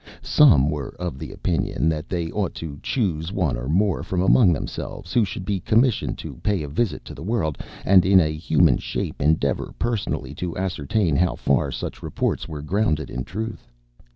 Some were of opinion that they ought to choose one or more from among themselves, who should be commissioned to pay a visit to the world, and in a human shape endeavour personally to ascertain how far such reports were grounded in truth.